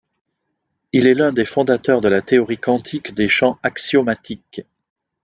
Il est l'un des fondateurs de la théorie quantique des champs axiomatique.